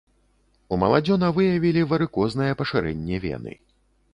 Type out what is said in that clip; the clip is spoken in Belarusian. У маладзёна выявілі варыкознае пашырэнне вены.